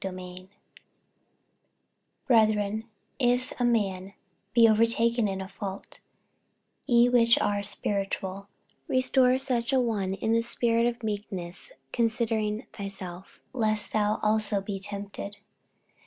48:006:001 Brethren, if a man be overtaken in a fault, ye which are spiritual, restore such an one in the spirit of meekness; considering thyself, lest thou also be tempted.